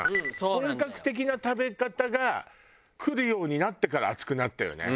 本格的な食べ方がくるようになってから厚くなったよね。